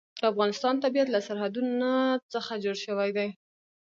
د افغانستان طبیعت له سرحدونه څخه جوړ شوی دی.